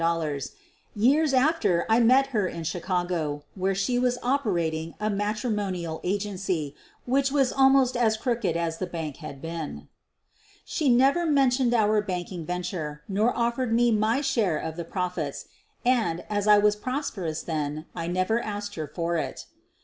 Years after I met her in Chicago where she was operating a matrimonial agency which was almost as crooked as the bank had been. She never mentioned our banking venture nor offered me my share of the profits, and, as I was prosperous then, I never asked her for it.